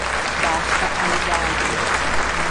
Basta a idade